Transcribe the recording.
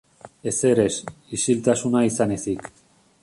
Ezer ez, isiltasuna izan ezik.